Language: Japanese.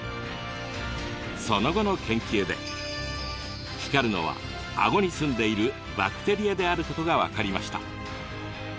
その後の研究で光るのはあごにすんでいるバクテリアであることが分かりました。